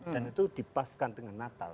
dan itu dipaskan dengan natal